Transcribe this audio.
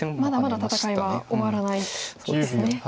まだまだ戦いは終わらないんですね。